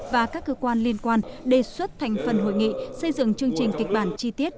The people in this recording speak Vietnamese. và các cơ quan liên quan đề xuất thành phần hội nghị xây dựng chương trình kịch bản chi tiết